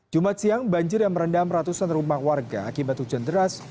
jumat siang banjir yang merendam ratusan rumah warga akibat hujan deras